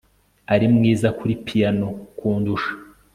ari mwiza kuri piyano kundusha